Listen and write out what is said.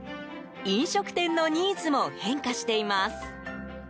飲食店のニーズも変化しています。